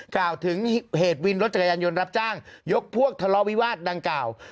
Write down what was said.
กล่าวถึงเหตุวินรถจักรยานยนต์รับจ้างยกพวกทะเลาะวิวาสดังกล่าว